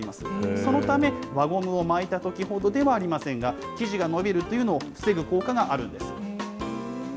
そのため、輪ゴムを巻いたときほどではありませんが、生地が伸びるというのを防ぐ効果があるんです。